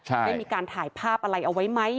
ได้มีการถ่ายภาพอะไรเอาไว้ไหม